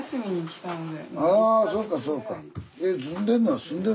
あそうかそうか。